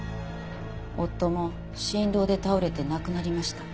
夫も心労で倒れて亡くなりました。